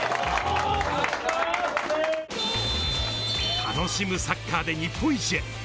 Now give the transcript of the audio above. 「楽しむサッカー」で日本一へ。